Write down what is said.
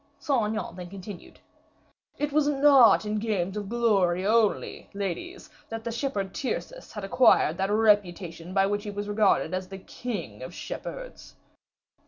Saint Aignan then continued: "It is not in games of glory only, ladies, that the shepherd Tyrcis had acquired that reputation by which he was regarded as the king of the shepherds."